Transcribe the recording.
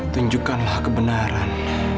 kim juliet nggak mau mahal